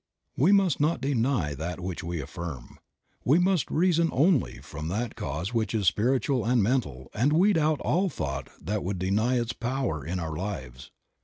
We must not deny that which we affirm. We must reason only from that cause which is spiritual and mental and weed out all thought that would deny its power in our lives.